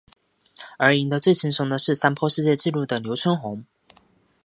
而赢得最轻松的是三破世界纪录的刘春红。